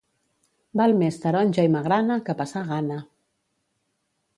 Val més taronja i magrana que passar gana.